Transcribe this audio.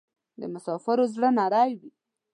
د مسافرو زړه نری وی